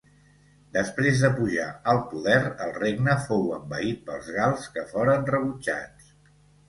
Després de pujar al poder el regne fou envaït pels gals que foren rebutjats.